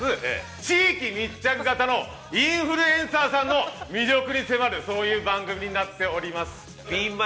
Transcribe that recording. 地域密着型のインフルエンサーさんの魅力に迫るそういう番組になっております。